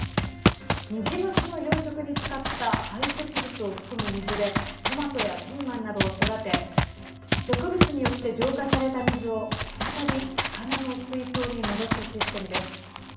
ニジマスの養殖に使った排泄物を含む水でトマトやピーマンなどを育て植物によって浄化された水を再び魚の水槽に戻すシステムです。